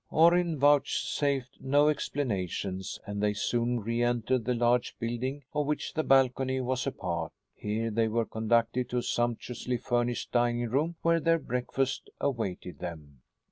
Orrin vouchsafed no explanations and they soon reentered the large building of which the balcony was a part. Here they were conducted to a sumptuously furnished dining room where their breakfast awaited them.